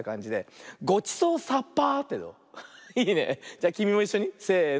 じゃきみもいっしょにせの。